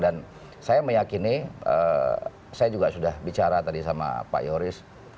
dan saya meyakini saya juga sudah bicara tadi sama pak yoris